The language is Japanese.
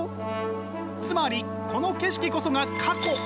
つまりこの景色こそが過去なんです！